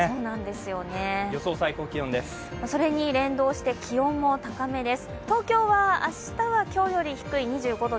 それに連動して気温も高めです。